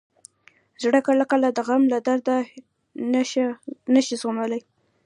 زړه کله کله د غم له درده نه شي زغملی.